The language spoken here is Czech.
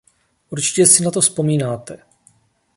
Určitě si na to vzpomínáte.